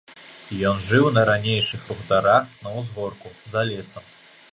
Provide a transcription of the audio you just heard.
Ён жыў на ранейшых хутарах, на ўзгорку, за лесам.